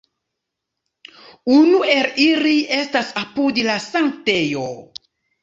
Unu el ili estas apud la Sanktejo.